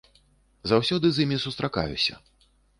Заўсёды з імі сустракаюся.